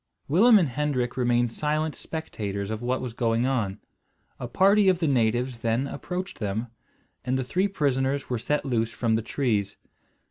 Willem and Hendrik remained silent spectators of what was going on. A party of the natives then approached them, and the three prisoners were set loose from the trees.